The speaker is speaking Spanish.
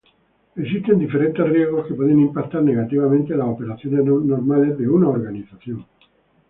Existen diferentes riesgos que pueden impactar negativamente las operaciones normales de una organización.